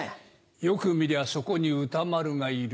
よく見りゃそこに歌丸がいる。